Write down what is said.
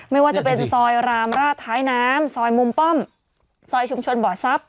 ไม่ว่าจะเป็นซอยรามราชท้ายน้ำซอยมุมป้อมซอยชุมชนบ่อทรัพย